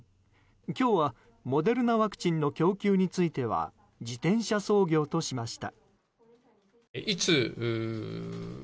今日は、モデルナワクチンの供給については自転車操業としました。